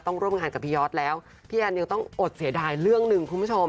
ร่วมงานกับพี่ยอดแล้วพี่แอนยังต้องอดเสียดายเรื่องหนึ่งคุณผู้ชม